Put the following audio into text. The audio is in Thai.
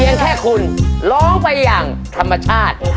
แค่คุณร้องไปอย่างธรรมชาติ